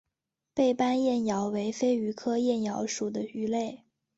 背斑燕鳐为飞鱼科燕鳐属的鱼类。